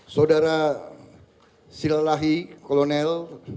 saudara sirlahi kolonel